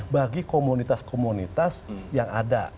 bagi komunitas komunitas yang ada